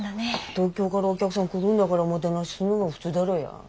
東京からお客さん来るんだからおもてなしすんのが普通だろや。